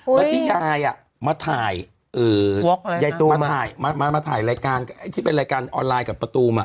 แล้วที่ยายมาถ่ายยายตูมมาถ่ายมาถ่ายรายการที่เป็นรายการออนไลน์กับประตูมา